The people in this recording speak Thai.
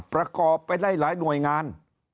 ประกอบไปได้หลายหน่วยงาน